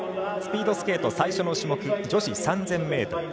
スピードスケート最初の種目女子３０００ｍ。